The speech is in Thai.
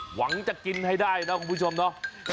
หวังจะกินให้ได้นะคุณผู้ชมเนาะ